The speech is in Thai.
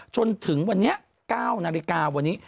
จนถึงวันนี้๙นาฬิกาวันนี้